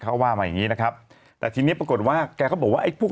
เขาว่ามาอย่างงี้นะครับแต่ทีนี้ปรากฏว่าแกก็บอกว่าไอ้พวก